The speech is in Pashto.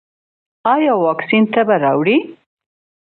ایا واکسین تبه راوړي؟